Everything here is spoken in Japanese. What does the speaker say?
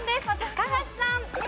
高橋さん。